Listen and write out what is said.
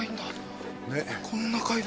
こんな階段。